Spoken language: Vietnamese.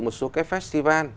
một số cái festival